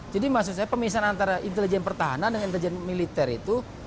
jadi maksud saya pemisahan antara intelijen pertahanan dan intelijen militer itu